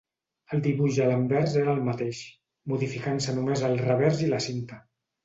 El dibuix a l'anvers era el mateix, modificant-se només el revers i la cinta.